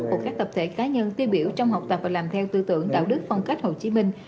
của các tập thể cá nhân tiêu biểu trong học tập và làm theo tư tưởng đạo đức phong cách hồ chí minh